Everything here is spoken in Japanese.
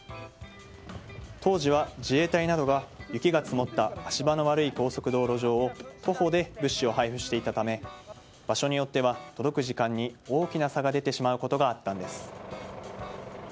当時は、自衛隊などが雪が積もった足場の悪い高速道路上を徒歩で物資を配布していたため場所によっては届く時間に大きな差が出てしまうことがあったんです。